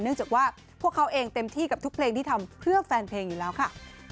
จากว่าพวกเขาเองเต็มที่กับทุกเพลงที่ทำเพื่อแฟนเพลงอยู่แล้วค่ะ